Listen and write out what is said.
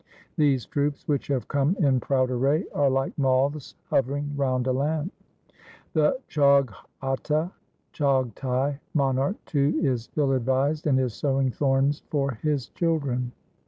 These troops which have come in proud array, are like moths hovering round a lamp. LIFE OF GURU HAR GOBIND 199 The Chaughatta 1 (Chaghtai) monarch too is ill advised, and is sowing thorns for his children.'